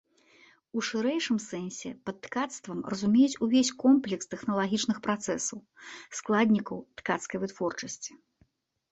У шырэйшым сэнсе пад ткацтвам разумеюць увесь комплекс тэхналагічных працэсаў, складнікаў ткацкай вытворчасці.